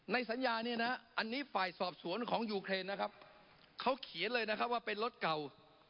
สัญญาเนี่ยนะอันนี้ฝ่ายสอบสวนของยูเครนนะครับเขาเขียนเลยนะครับว่าเป็นรถเก่า